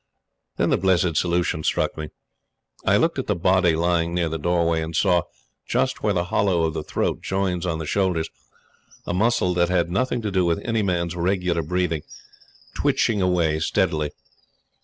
Then the blessed solution struck me. I looked at the body lying near the doorway, and saw, just where the hollow of the throat joins on the shoulders, a muscle that had nothing to do with any man's regular breathing, twitching away steadily.